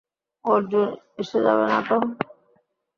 অর্জুন এসে যাবে নাতো?